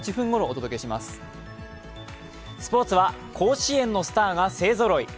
スポーツは甲子園のスターが勢ぞろい。